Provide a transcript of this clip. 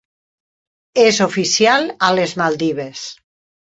És oficial a les Maldives.